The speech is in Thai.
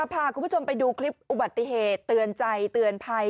พาคุณผู้ชมไปดูคลิปอุบัติเหตุเตือนใจเตือนภัย